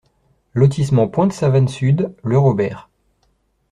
Lotissement Pointe Savane Sud, Le Robert